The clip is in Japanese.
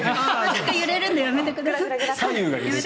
揺れるんでやめてください。